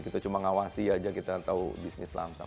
kita cuma ngawasi aja kita tahu bisnis lamsam